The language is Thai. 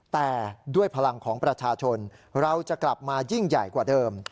แต่ด้วยพลังของประชาชนเราจะกลับมายิ่งใหญ่กว่าเดิม